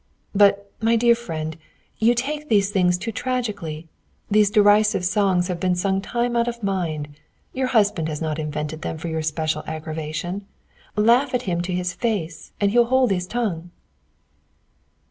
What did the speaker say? "But, my dear friend, you take these things too tragically. These derisive songs have been sung time out of mind. Your husband has not invented them for your special aggravation. Laugh at him to his face, and he'll hold his tongue."